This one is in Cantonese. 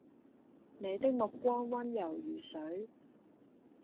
你的目光溫柔如水